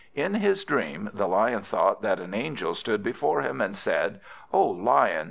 In his dream the Lion thought that an angel stood before him, and said: "O Lion!